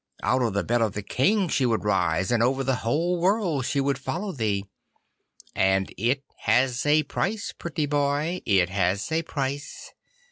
Out of the bed of the King she would rise, and over the whole world she would follow thee. And it has a price, pretty boy, it has a price.